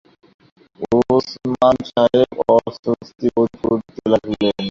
ওসমান সাহেব অস্বস্তি বোধ করতে লাগলেন।